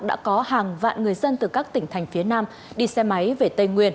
đã có hàng vạn người dân từ các tỉnh thành phía nam đi xe máy về tây nguyên